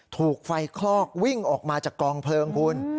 ถูกไฟคลอกวิ่งออกมาจากกองเพลิงคุณ